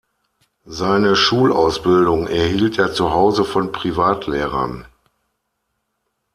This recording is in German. Seine Schulausbildung erhielt er zuhause von Privatlehrern.